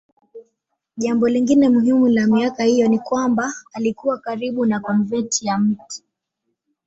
Jambo lingine muhimu la miaka hiyo ni kwamba alikuwa karibu na konventi ya Mt.